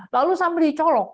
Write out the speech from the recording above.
lalu sambil dicolok